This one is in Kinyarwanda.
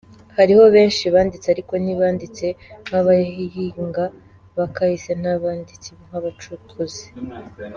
Hariho benshi banditse ariko ntibanditse nk'abahinga ba kahise, ntibanditse nk'abacukuzi.